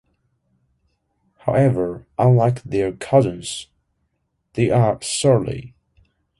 However, unlike their cousins, they are surly.